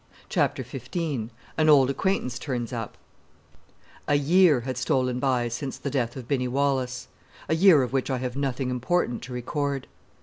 Chapter Fifteen An Old Acquaintance Turns Up A year had stolen by since the death of Binny Wallace a year of which I have nothing important to record.